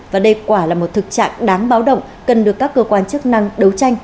và đây quả là một thực trạng đáng báo động cần được các cơ quan chức năng đấu tranh